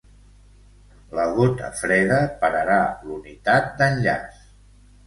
La gota freda pararà l'unitat d'enllaç.